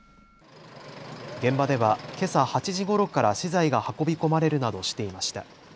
現場ではけさ８時ごろから資材が運び込まれるなどしていました。